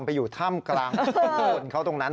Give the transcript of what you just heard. ไปอยู่ถ้ำกลางคนเขาตรงนั้น